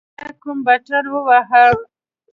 سړي بيا کوم بټن وواهه.